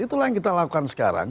itulah yang kita lakukan sekarang